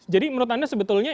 jadi menurut anda sebetulnya